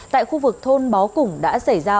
tại khu vực thôn bó củng đã xảy ra